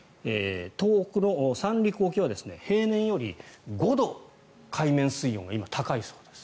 東北の三陸沖は平年より５度海面水温が今高いそうです。